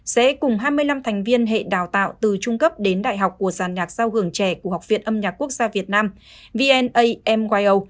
sẽ cùng hai mươi năm thành viên hệ đào tạo từ trung cấp đến đại học của giàn nhạc sao hưởng trẻ của học viện âm nhạc quốc gia việt nam vnam wio